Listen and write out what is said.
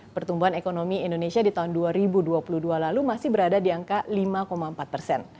pertumbuhan ekonomi indonesia di tahun dua ribu dua puluh dua lalu masih berada di angka lima empat persen